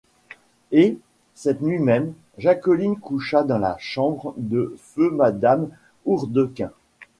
Et, cette nuit même, Jacqueline coucha dans la chambre de feu madame Hourdequin.